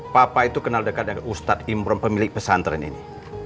papa itu kenal dekat dengan ustadz imron pemilik pesantren ini